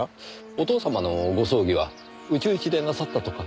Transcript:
お父様のご葬儀は内々でなさったとか？